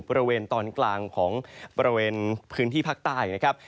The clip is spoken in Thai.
บริเวณตอนกลางของบริเวณพื้นที่ภาคใต้นะครับ